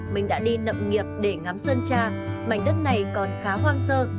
mình đã đi nậm nghiệp để ngắm sơn trà mảnh đất này còn khá hoang sơ